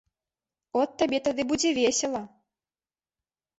От табе тады будзе весела!